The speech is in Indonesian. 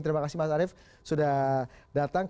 terima kasih mas arief sudah datang